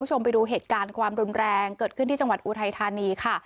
คุณผู้ชมไปดูเหตุการณ์ความรุนแรงเกิดขึ้นที่จังหวัดอุทัยธานีค่ะ